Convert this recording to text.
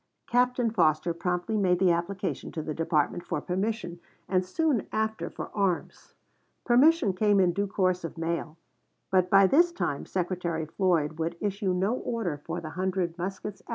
Captain Foster promptly made the application to the department for permission, and soon after for arms. Permission came in due course of mail; but by this time Secretary Floyd would issue no order for the hundred muskets asked for.